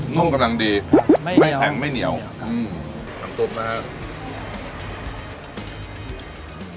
น่วงกำลังดีไม่แข็งไม่เหนียวอืมน้ำตุ๊บนะฮะ